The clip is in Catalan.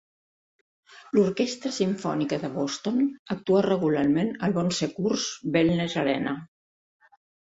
L'Orquestra Simfònica de Boston actua regularment al Bon Secours Wellness Arena.